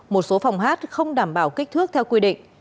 một số phòng hát không đảm bảo kích thước theo quy định